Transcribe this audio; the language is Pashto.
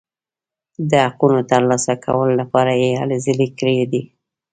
د حقونو ترلاسه کولو لپاره یې هلې ځلې کړي دي.